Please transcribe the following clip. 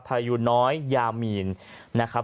พายุน้อยยามีนนะครับ